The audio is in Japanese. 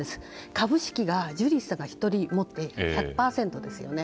株式をジュリーさんが持っていて１００％ですよね。